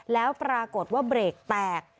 แล้วปรากฏว่าเบรกแตก